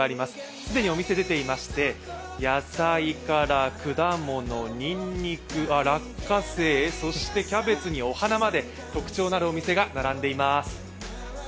既にお店が出ていまして、野菜から果物、にんにく、落花生、そしてキャベツにお花まで特徴のあるお店が並んでいます。